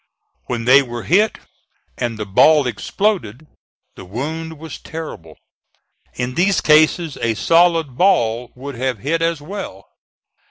When they were hit and the ball exploded, the wound was terrible. In these cases a solid ball would have hit as well.